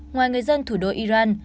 ngoài người dân thủ đô iran